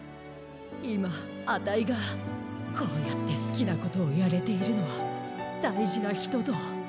いまあたいがこうやってすきなことをやれているのはだいじなひとと。